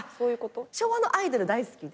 昭和のアイドル大好きで。